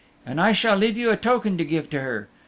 And I shall leave you a token to give to her.